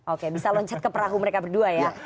oke bisa loncat ke perahu mereka berdua ya